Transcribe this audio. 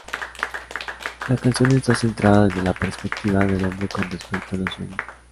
La canción está centrada desde la perspectiva del hombre con respecto a los sueños.